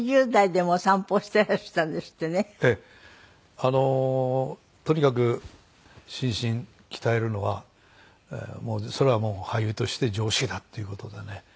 あのとにかく心身鍛えるのがそれはもう俳優として常識だっていう事でね。